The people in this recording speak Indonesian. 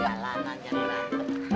jalan aja tenang